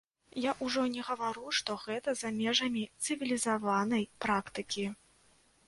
Я ўжо не гавару, што гэта за межамі цывілізаванай практыкі.